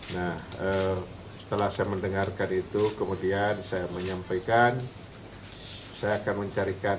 nah setelah saya mendengarkan itu kemudian saya menyampaikan saya akan mencarikan